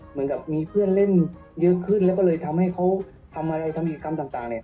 เหมือนกับมีเพื่อนเล่นเยอะขึ้นแล้วก็เลยทำให้เขาทำอะไรทำกิจกรรมต่างเนี่ย